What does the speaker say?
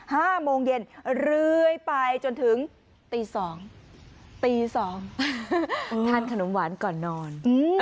ห้าโมงเย็นเรื่อยไปจนถึงตีสองตีสองทานขนมหวานก่อนนอน